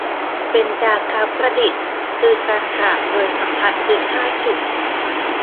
เบญจางคประดิษฐ์ คือการกราบโดยสัมผัสพื้นห้าจุด